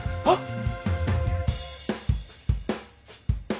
あっ。